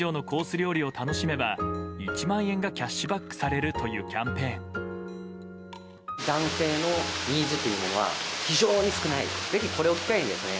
料理を楽しめば１万円がキャッシュバックされるというキャンペーン。